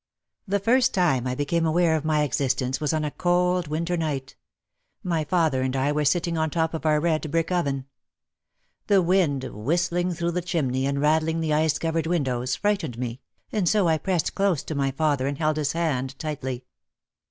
The first time I became aware of my existence was on a cold winter night. My father and I were sitting on top of our red brick oven. The wind, whistling through the chimney and rattling the ice covered windows, frightened me, and so I pressed close to my father and held his hand tightly.